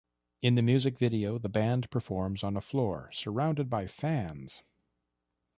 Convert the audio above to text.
In the music video, the band performs on a floor surrounded by fans.